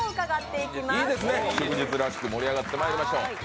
いいですね、祝日らしく盛り上がってまいりましょう。